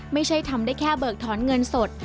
ไม่ใช่ทำได้แค่เบิกถอนเงินสด